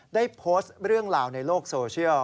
ได้โพสต์เรื่องราวในโลกโซเชียล